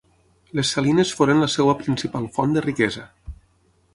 Les salines foren la seva principal font de riquesa.